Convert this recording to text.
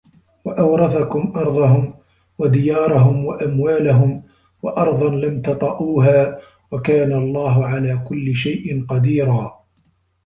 وَأَورَثَكُم أَرضَهُم وَدِيارَهُم وَأَموالَهُم وَأَرضًا لَم تَطَئوها وَكانَ اللَّهُ عَلى كُلِّ شَيءٍ قَديرًا